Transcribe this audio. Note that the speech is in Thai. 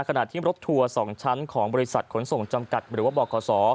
ขณะที่รถทัวร์๒ชั้นของบริษัทขนส่งจำกัดหรือว่าบข